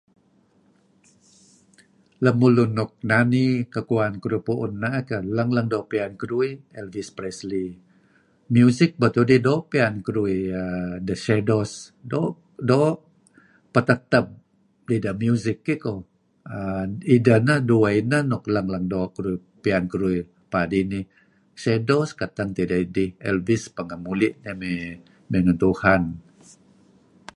Lemulun nuk nani kekuan keduih pu'un na'eh keyh. Leng-leng doo' pian keduih, Elvis Presley. Miusik beto' idih doo' pian keduih The Shadows. Doo' peteteb dideh miusik iih ko'. Ideh neh, dueh ineh leng-leng doo' pian keduih paad inih. Shadows, keteng idih tideh. Elvis, pengeh muli' nieh mey ngen Tuhan.